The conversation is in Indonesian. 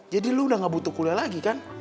jadi lo udah gak butuh kuliah lagi kan